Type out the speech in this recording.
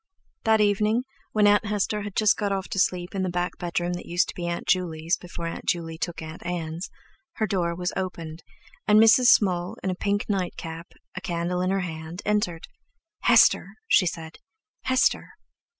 That evening, when Aunt Hester had just got off to sleep in the back bedroom that used to be Aunt Juley's before Aunt Juley took Aunt Ann's, her door was opened, and Mrs. Small, in a pink night cap, a candle in her hand, entered: "Hester!" she said. "Hester!"